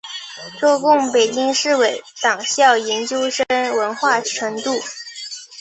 中共北京市委党校研究生文化程度。